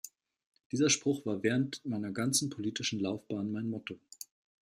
Dieser Spruch war während meiner ganzen politischen Laufbahn mein Motto.